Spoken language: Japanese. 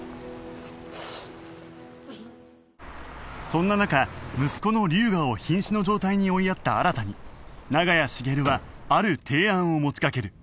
そんな中息子の龍河を瀕死の状態に追いやった新に長屋茂はある提案を持ちかける